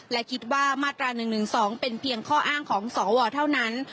และคิดว่ามาตรา๑๑๒เป็นเพียงข้ออ้างของสวเท่านั้น